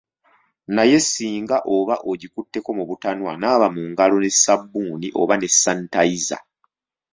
Naye singa oba ogikutteko mu butanwa, naaba mu ngalo ne ssabbuuni oba ne sanitayiza.